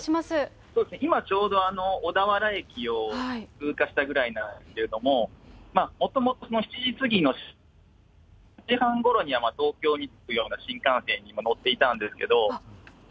今ちょうど、小田原駅を通過したぐらいなんですけれども、もともと、７時過ぎの、ごろには東京に着くような新幹線に乗っていたんですけれども。